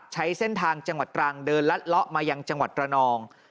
ใช้เส้นทางจังหวัดตรังเดินลัดเลาะมายังจังหวัดระนอง